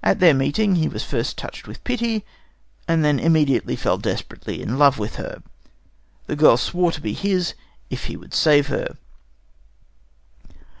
At their meeting he was first touched with pity, and then immediately fell desperately in love with her. The girl swore to be his, if he would save her.